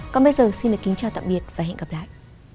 còn bây giờ xin được kính chào tạm biệt và hẹn gặp lại